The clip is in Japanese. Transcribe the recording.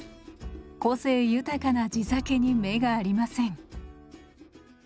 個性豊かな地酒に目がありません。